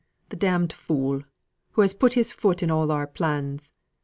The d d fool, who has put his foot in all our plans!